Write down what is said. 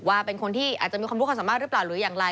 ว่าเป็นคนที่อาจจะมีความรู้ความสามารถหรือเปล่าหรืออย่างไร